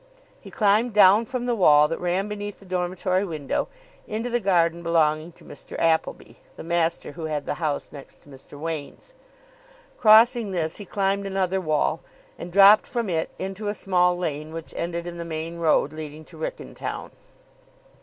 He climbed down from the wall that ran beneath the dormitory window into the garden belonging to Mr. Appleby, the master who had the house next to Mr. Wain's. Crossing this, he climbed another wall, and dropped from it into a small lane which ended in the main road leading to Wrykyn town.